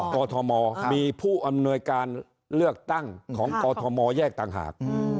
กอทมมีผู้อำนวยการเลือกตั้งของกอทมแยกต่างหาก